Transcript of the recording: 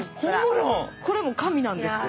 これも紙なんですよ。